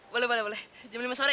boleh boleh boleh jam lima sore ya